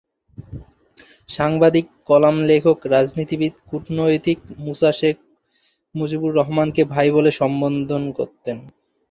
সাংবাদিক, কলাম লেখক, রাজনীতিবিদ, কূটনীতিক মূসা শেখ মুজিবুর রহমানকে "ভাই" বলে সম্বোধন করতেন।